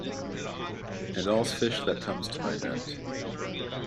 And all's fish that comes to my net.